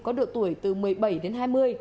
có độ tuổi từ một mươi bảy đến hai mươi